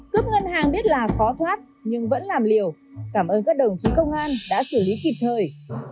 cướp ngân hàng biết là khó thoát nhưng vẫn làm liều cảm ơn các đồng chí công an đã xử lý kịp thời